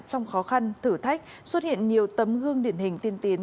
trong khó khăn thử thách xuất hiện nhiều tấm gương điển hình tiên tiến